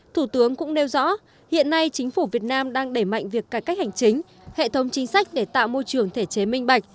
thủ tướng cũng nêu rõ hiện nay chính phủ việt nam đang đẩy mạnh việc cải cách hành chính hệ thống chính sách để tạo môi trường thể chế minh bạch